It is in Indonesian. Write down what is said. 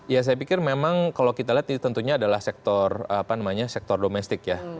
ya saya pikir memang kalau kita lihat ini tentunya adalah sektor domestik ya